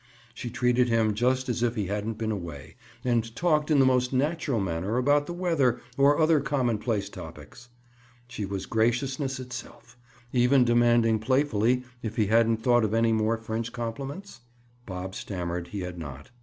She treated him just as if he hadn't been away and talked in the most natural manner about the weather or other commonplace topics. She was graciousness itself, even demanding playfully if he hadn't thought of any more French compliments? Bob stammered he had not.